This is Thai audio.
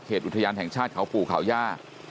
อุทยานแห่งชาติเขาปู่เขาย่า